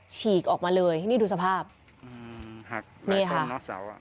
ฉีกออกมาเลยนี่ดูสภาพหักหลายต้นเนาะเสาอ่ะ